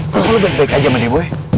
kalo lu baik baik aja mane boy